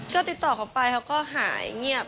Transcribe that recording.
ก็ติดต่อเขาไปเขาก็หายเงียบ